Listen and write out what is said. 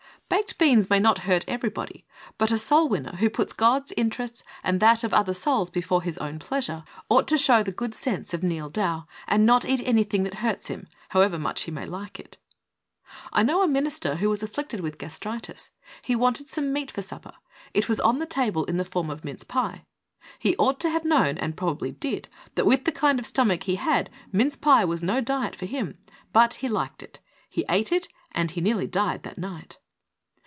Baked beans may not hurt everybody, but a soul winner who puts God's interests and that of other souls before his own pleasure, 78 THE soul winner's secret. ought to show the good sense of Neal Dow, and not eat anything that hurts him, how ever much he may like it. I knew a minister who was afiflicted with gastritis. He wanted some meat for supper; it was on the table in the form of mince pie. He ought to have known, and probably did, that with the kind of stomach he had, mince pie was no diet for him, but he liked it. He ate it, and he nearly died that night.